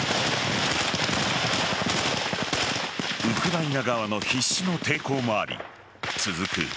ウクライナ側の必死の抵抗もあり続く